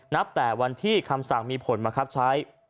แต่วันที่คำสั่งมีผลมาครับใช้